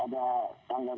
ada tanggal satu